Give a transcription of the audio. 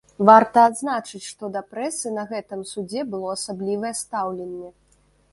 Варта адзначыць, што да прэсы на гэтым судзе было асаблівае стаўленне.